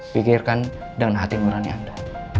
pikirkan dengan hati nurani anda